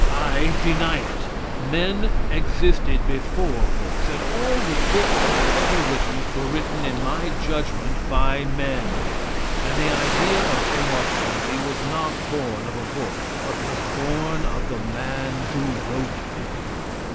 I deny it! Men existed before books; and all the books that were ever written were written, in my judgment, by men, and the idea of immortality was not born of a book, but was born of the man who wrote the book.